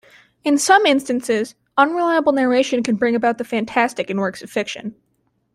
In some instances, unreliable narration can bring about the fantastic in works of fiction.